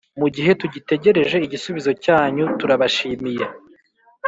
Mugihe tugitegereje igisubizo cyanyu turabashimiye